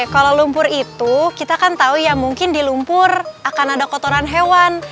kalau lumpur itu kita kan tahu ya mungkin di lumpur akan ada kotoran hewan